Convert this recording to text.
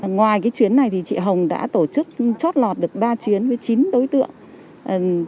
ngoài cái chuyến này thì chị hồng đã tổ chức chót lọt được ba chuyến với chín đối tượng